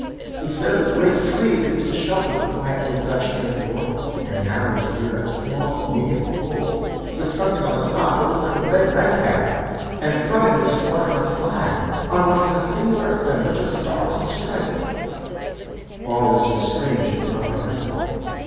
Instead of the great tree that used to shelter the quiet little Dutch inn of yore, there now was reared a tall naked pole, with something on the top that looked like a red night cap, and from it was fluttering a flag, on which was a singular assemblage of stars and stripes—all this was strange and incomprehensible.